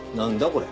これ。